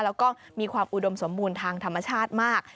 แล้วก็มีความอุดมสมบูรณ์ทางธรรมชาติมาก